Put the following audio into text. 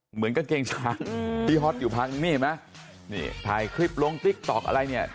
เหมือนกางเกงช้างที่ฮอตอยู่พังนี่เห็นไหมนี่ถ่ายคลิปลงติ๊กต๊อกอะไรเนี่ย